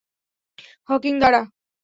Hawking, দাঁড়া!